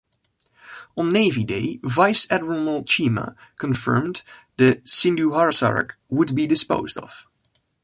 On Navy Day, Vice Admiral Cheema confirmed the Sindhurakshak would be disposed of.